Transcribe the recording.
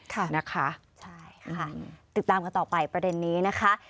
ค่ะนะคะใช่ค่ะติดตามกันต่อไปประเด็นนี้นะคะ